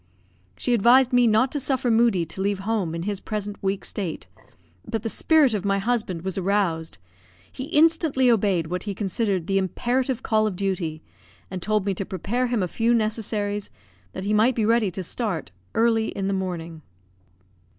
She advised me not to suffer Moodie to leave home in his present weak state; but the spirit of my husband was aroused, he instantly obeyed what he considered the imperative call of duty, and told me to prepare him a few necessaries, that he might be ready to start early in the morning.